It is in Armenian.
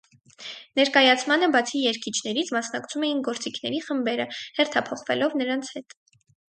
Ներկայացմանը, բացի երգիչներից, մասնակցում էին գործիքների խմբերը՝ հերթափոխվելով նրանց հետ։